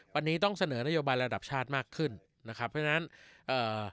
วันนี้ต้องเสนอนโยบายระดับชาติมากขึ้นนะครับเพราะฉะนั้นเอ่อ